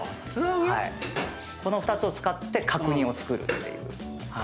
この２つを使って角煮を作るっていう。